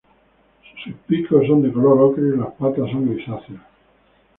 Sus picos son de color ocre y las patas son grisáceas.